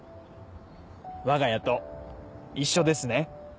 「わが家と一緒ですね」